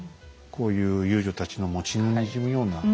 こういう遊女たちのもう血のにじむような。